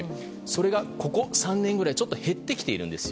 それが、ここ３年ぐらいちょっと減ってきているんです。